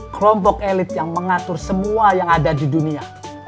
kelompok elit yang mengatur semua yang ada di dunia